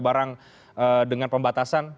barang dengan pembatasan